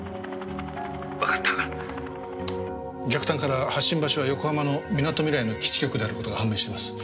逆探から発信場所は横浜のみなとみらいの基地局である事が判明しています。